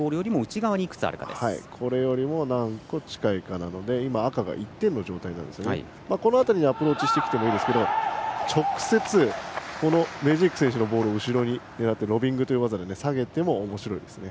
これより何個近いかなのでこの辺りにアプローチしてもいいですけど直接メジーク選手のボールを狙ってロビングで狙って下げても、おもしろいですね。